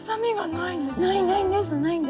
ないです。